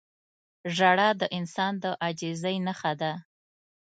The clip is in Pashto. • ژړا د انسان د عاجزۍ نښه ده.